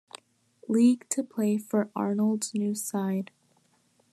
League to play for Arnold's new side.